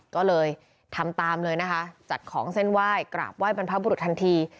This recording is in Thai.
ก็เลยทำตามเลยนะคะจัดของเส้นไหว้กราบไห้บรรพบุรุษทันที